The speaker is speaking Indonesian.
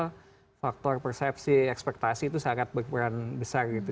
karena faktor persepsi ekspektasi itu sangat berperan besar gitu